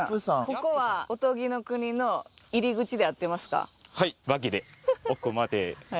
ここはおとぎの国の入り口で合ってますか？